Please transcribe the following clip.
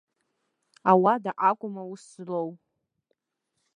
Ауада акәым аус злоу!